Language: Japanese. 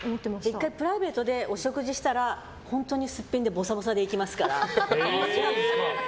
１回プライベートでお食事したら本当にすっぴんでぼさぼさで行きますから。